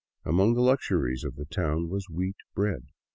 Among the luxuries of the town was wheat bread.